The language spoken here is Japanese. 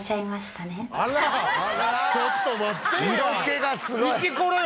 ちょっと待ってえや！